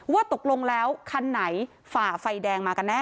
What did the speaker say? ว่าตกลงแล้วคันไหนฝ่าไฟแดงมากันแน่